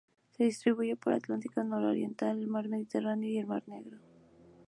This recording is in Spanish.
Se distribuye por el Atlántico nororiental, el mar Mediterráneo y el mar Negro.